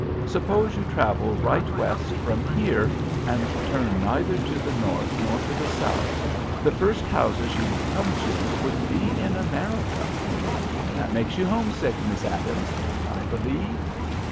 Suppose you travel right west from here, and turn neither to the north nor to the south, the first houses you would come to would be in America. That make you homesick, Miss Adams, I believe?"